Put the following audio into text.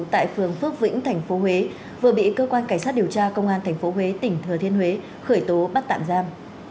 tại phường phước vĩnh tp huế vừa bị cơ quan cảnh sát điều tra công an tp huế tỉnh thừa thiên huế khởi tố bắt tạm giam